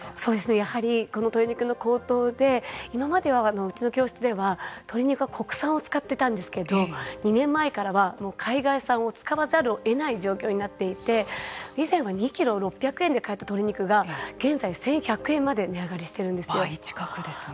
やはりこの鶏肉の高騰で今まではうちの教室では鶏肉は国産を使ってたんですけれども２年前からはもう海外産を使わざるを得ない状況になっていて以前は２キロ６００円で買っていた鶏肉が現在１１００円まで値上がりしているんですね。